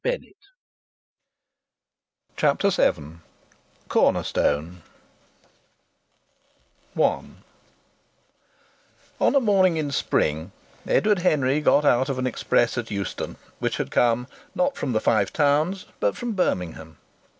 PART II CHAPTER VII CORNER STONE I On a morning in spring Edward Henry got out of an express at Euston which had come, not from the Five Towns, but from Birmingham.